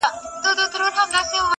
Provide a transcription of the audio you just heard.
چېرته ليري په شنو غرونو كي ايسار وو!!